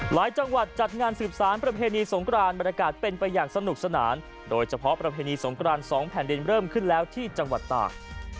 จังหวัดจัดงานสืบสารประเพณีสงกรานบรรยากาศเป็นไปอย่างสนุกสนานโดยเฉพาะประเพณีสงกรานสองแผ่นดินเริ่มขึ้นแล้วที่จังหวัดตาก